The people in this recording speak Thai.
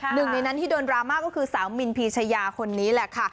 หนึ่งในนั้นที่โดนดราม่าก็คือสาวมินพีชายาคนนี้แหละค่ะ